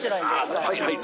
はいはい。